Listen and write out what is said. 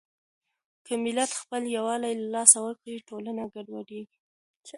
که ملت خپل يووالی له لاسه ورکړي، ټولنه ګډوډېږي.